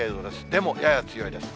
でも、やや強いです。